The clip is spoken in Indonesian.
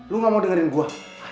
lu gak mau dengerin gue